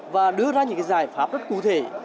và đưa ra những giải pháp rất cụ thể